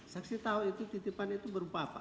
saksi tahu itu titipan itu berupa apa